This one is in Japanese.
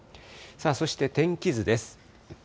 そして天気図です。